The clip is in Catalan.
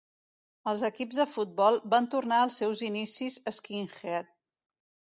Els equips de futbol van tornar als seus inicis skinhead.